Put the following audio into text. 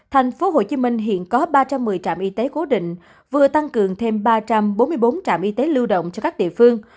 tp hcm hiện có ba trăm một mươi trạm y tế cố định vừa tăng cường thêm ba trăm bốn mươi bốn trạm y tế lưu động cho các địa phương